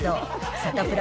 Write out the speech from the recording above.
サタプラ